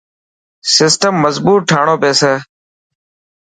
سسٽم مظبوت ٺاڻو پيسي.